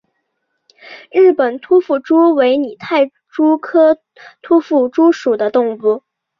日本突腹蛛为拟态蛛科突腹蛛属的动物。